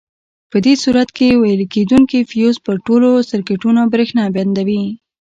په دې صورت کې ویلې کېدونکي فیوز پر ټولو سرکټونو برېښنا بندوي.